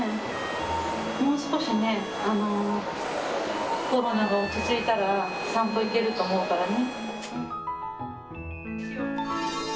もう少しね、コロナが落ち着いたら、散歩行けると思うからね。